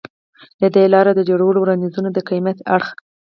له دې لارې د جوړو وړاندیزونه د کمیت له اړخه